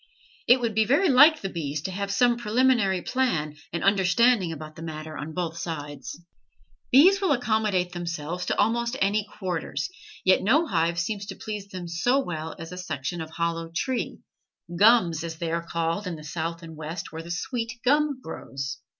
It would be very like the bees to have some preliminary plan and understanding about the matter on both sides. Bees will accommodate themselves to almost any quarters, yet no hive seems to please them so well as a section of a hollow tree "gums" as they are called in the South and West where the sweet gum grows.